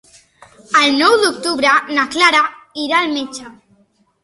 El nou d'octubre na Clara irà al metge.